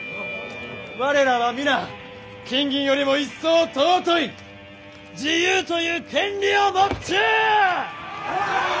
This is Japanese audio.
我らは皆金銀よりも一層尊い自由という権利を持っちゅう！